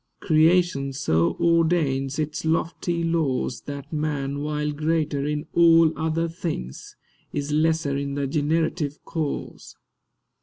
Creation so ordains its lofty laws That man, while greater in all other things, Is lesser in the generative cause.